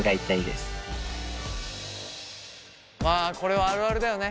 まあこれはあるあるだよね。